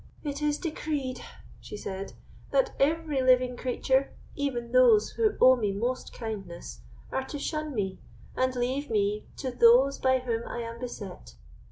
"It is decreed," she said, "that every living creature, even those who owe me most kindness, are to shun me, and leave me to those by whom I am beset.